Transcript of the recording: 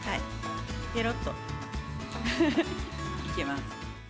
ぺろっといけます。